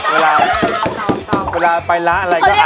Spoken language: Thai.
เวลาไปละอะไร